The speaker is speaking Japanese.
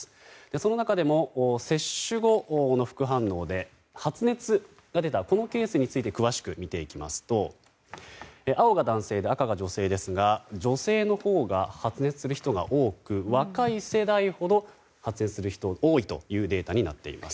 その中でも接種後の副反応で発熱が出たケースについて詳しく見ていきますと青が男性、赤が女性ですが女性のほうが、発熱する人が多く若い世代ほど発熱する人が多いというデータになっています。